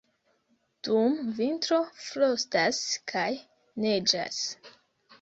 Dum vintro frostas kaj neĝas.